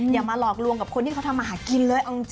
อย่ามาหลอกลวงกับคนที่เขาทำมาหากินเลย